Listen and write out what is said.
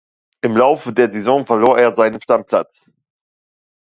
Im Laufe der Saison verlor er seinen Stammplatz.